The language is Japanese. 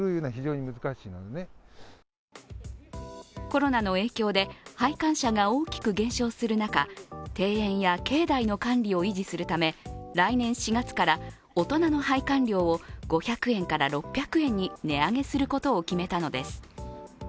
コロナの影響で拝観者が大きく減少する中、庭園や境内の管理を維持するため来年４月から大人の拝観料を５００円から６００円に値上げすることを決めたのです。